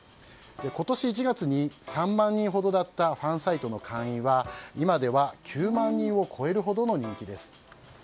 今年１月に３万人ほどだったファンサイトの会員は今では９万人を超えるほどの人気です。